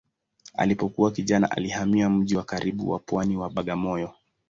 Alipokuwa kijana alihamia mji wa karibu wa pwani wa Bagamoyo.